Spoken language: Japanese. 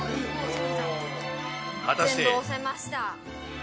全部押せました。